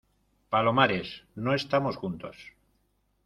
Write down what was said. palomares, no estamos juntos.